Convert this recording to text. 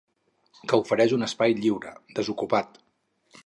Que ofereix un espai lliure, desocupat.